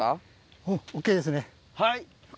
はい！